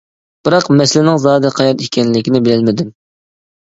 بىراق مەسىلىنىڭ زادى قەيەردە ئىكەنلىكىنى بىلەلمىدىم.